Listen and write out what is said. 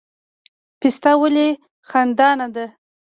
پسته ولې خندان ده؟